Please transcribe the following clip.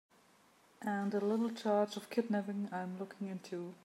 And a little charge of kidnapping I'm looking into.